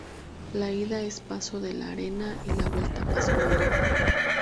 La ida es Paso de la Arena y la vuelta Paso Molino.